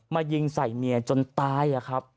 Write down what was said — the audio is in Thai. มายิงใส่เมียจนตาย